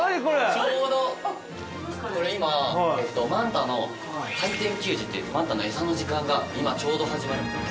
ちょうどこれ今マンタの回転給餌っていうマンタの餌の時間が今ちょうど始まる。